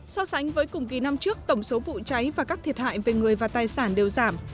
so sánh với cùng kỳ năm trước tổng số vụ cháy và các thiệt hại về người và tài sản đều giảm